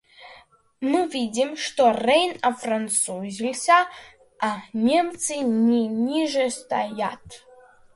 Мы видим, что Рейн офранцузился, а Немцы не ниже стоят!